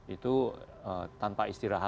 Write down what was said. itu tanpa istirahat